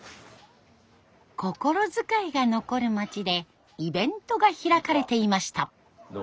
心遣いが残る町でイベントが開かれていました。